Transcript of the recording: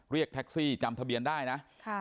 เรียกแท็กซี่จำทะเบียนได้นะ